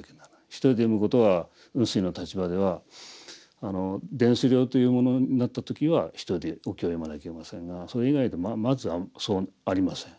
１人で読むことは雲水の立場では殿司寮というものになった時は１人でお経を読まなきゃいけませんがそれ以外でまずそうありません。